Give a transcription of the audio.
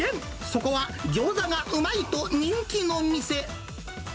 そこはギョーザがうまいと人気の店。